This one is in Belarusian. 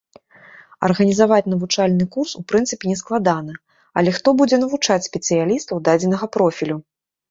Арганізаваць навучальны курс у прынцыпе нескладана, але хто будзе навучаць спецыялістаў дадзенага профілю?